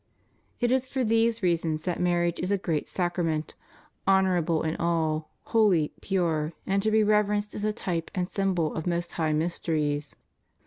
"^ It is for these reasons that marriage is a great sacrament;^ honorable in all;* holy, pure, and to be reverenced as a type and symbol of most high mysteries.